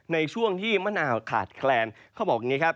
ในช่วงที่มะนาวขาดแคลนเขาบอกอย่างนี้ครับ